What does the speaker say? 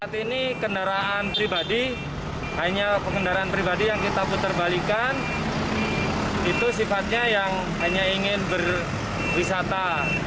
terima kasih kendaraan pribadi hanya pengendaraan pribadi yang kita putar balikan itu sifatnya yang hanya ingin berwisata